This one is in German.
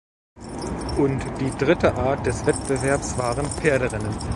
Und die dritte Art des Wettbewerbs waren Pferderennen.